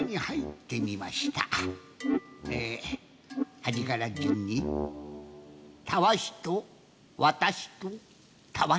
はじからじゅんにたわしとわたしとたわし。